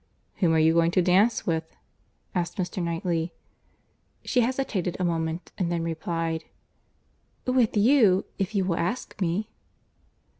"Whom are you going to dance with?" asked Mr. Knightley. She hesitated a moment, and then replied, "With you, if you will ask me."